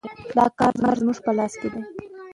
دا کار زموږ په لاس کې دی.